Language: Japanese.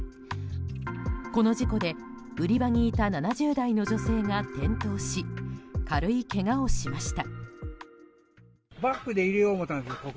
この事故で売り場にいた７０代の女性が転倒し軽いけがをしました。